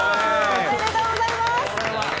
おめでとうございます。